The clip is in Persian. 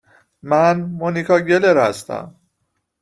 من ، مونیکا گلر هستم